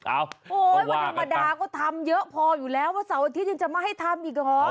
โอ้โหวันธรรมดาก็ทำเยอะพออยู่แล้วว่าเสาร์อาทิตยังจะไม่ให้ทำอีกเหรอ